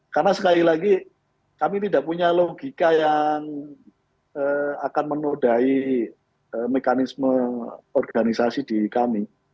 karena sekali lagi kami tidak punya logika yang akan menodai mekanisme organisasi di kami